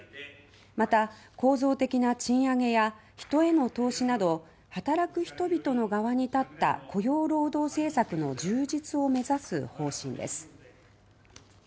また構造的な賃上げや人への投資など働く人々の側に立った雇用労働政策の充実を目指す方針です。